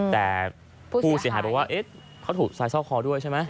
แต่ผู้เสียหายบอกว่าเขาถูกทรายซอกคอด้วยใช่ไหม